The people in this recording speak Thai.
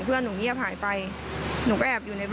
เป็นไปได้เลยว่าค่ะ